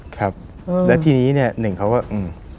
ครับแล้วทีนี้เนี่ยหนึ่งเขาก็อืม